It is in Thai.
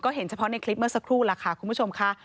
เห็นเฉพาะในคลิปเมื่อสักครู่ล่ะค่ะคุณผู้ชมค่ะ